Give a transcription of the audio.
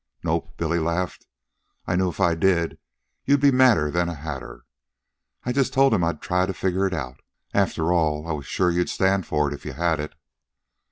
"Nope," Billy laughed. "I knew, if I did, you'd be madder'n a hatter. I just told him I'd try an' figure it out. After all, I was sure you'd stand for it if you had it."